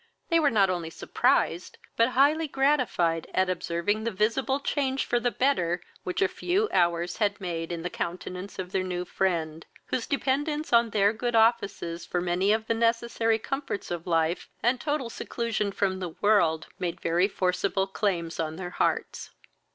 They were not only surprised, but highly gratified at observing the visible change for the better which a few hours had made in the countenance of their new friend, whose dependence on their good offices, for many of the necessary comforts of life, and total seclusion from the world, made very forcible claims on their hearts.